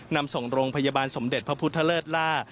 นำส่งโรงพยาบาลสมเด็จพระพุทธเลิศล่า